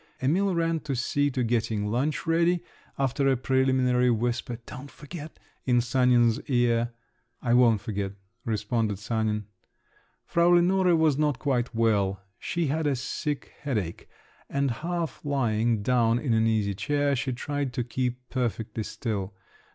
Emil ran to see to getting lunch ready, after a preliminary whisper, "don't forget!" in Sanin's ear. "I won't forget," responded Sanin. Frau Lenore was not quite well; she had a sick headache, and, half lying down in an easy chair, she tried to keep perfectly still.